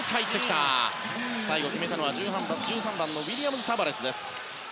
決めたのは１３番のウィリアムズ・タバレスです。